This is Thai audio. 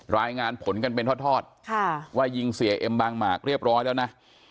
รายงานผลกันเป็นทอดว่ายิงเสียเอ็มบางหมากเรียบร้อยแล้วนะ